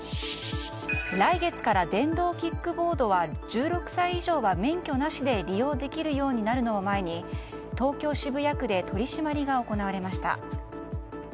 来月から電動キックボードは１６歳以上は免許なしで利用できるのを前に東京・渋谷区で取り締まりが行われました。